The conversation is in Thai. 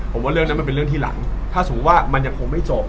ผมว่าเรื่องนั้นมันเป็นเรื่องที่หลังถ้าสมมุติว่ามันยังคงไม่จบ